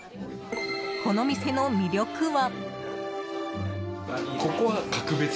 この店の魅力は。